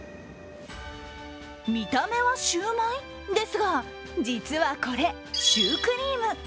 見た目はシュウマイですが実はこれ、シュークリーム。